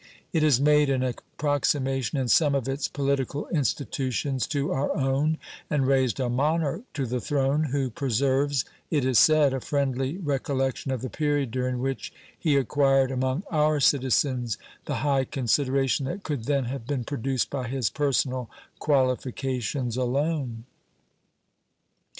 It has made an approximation in some of its political institutions to our own, and raised a monarch to the throne who preserves, it is said, a friendly recollection of the period during which he acquired among our citizens the high consideration that could then have been produced by his personal qualifications alone.